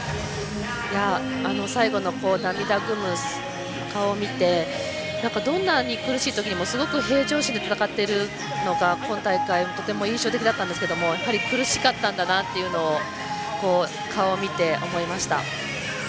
最後の涙ぐむ顔を見てどんなに苦しい時でもすごく平常心で戦っているのが今大会、とても印象的だったんですが、やはり苦しかったんだなというのが顔を見て、思いました。